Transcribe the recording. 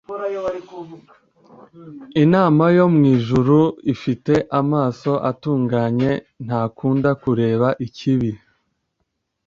imana yo mu ijuru ifite amaso atunganye, ntakunda kureba ikibi